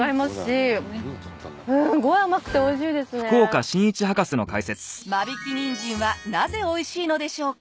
やっぱ間引きニンジンはなぜおいしいのでしょうか？